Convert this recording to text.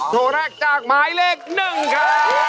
โชว์แรกจากหมายเลข๑ค่ะ